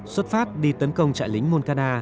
xuất phát đi tấn công trại lính moncada